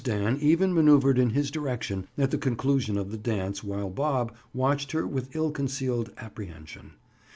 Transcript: Dan even maneuvered in his direction at the conclusion of the dance while Bob watched her with ill concealed apprehension.